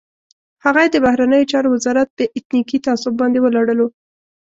هغه یې د بهرنیو چارو وزارت په اتنیکي تعصب باندې ولړلو.